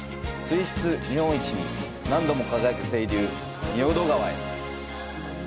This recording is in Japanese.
水質日本一に何度も輝く清流、仁淀川へ。